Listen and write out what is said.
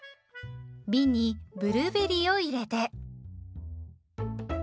びんにブルーベリーを入れて。